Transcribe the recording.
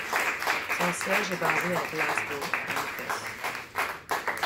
Son siège est basé à Glasgow, en Écosse.